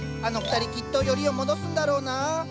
あの２人きっとよりを戻すんだろうなぁ。